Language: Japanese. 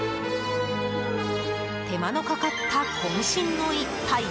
手間のかかった、渾身の一杯。